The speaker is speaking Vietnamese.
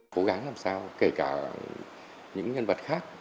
cố gắng làm sao kể cả những nhân vật khác